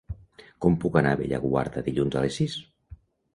Com puc anar a Bellaguarda dilluns a les sis?